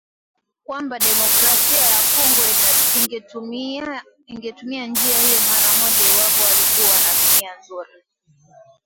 kwamba Demokrasia ya Kongo ingetumia njia hiyo mara moja iwapo walikuwa na nia nzuri